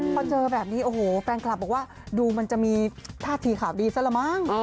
พอเจอแบบนี้โอ้โหแฟนคลับบอกว่าดูมันจะมีท่าทีข่าวดีซะละมั้ง